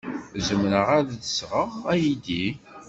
Zemreɣ ad d-sɣeɣ aydi?